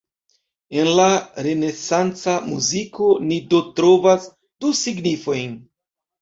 En la renesanca muziko ni do trovas du signifojn.